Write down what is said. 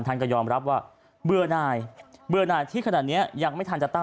ท่านก็ยอมรับว่าเบื่อหน่ายเบื่อหน่ายที่ขนาดเนี้ยยังไม่ทันจะตั้ง